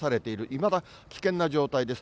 いまだ危険な状態です。